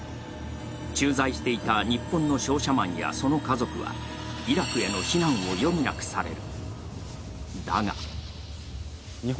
駐在していた日本の商社マンや、その家族はイラクへの避難を余儀なくされる。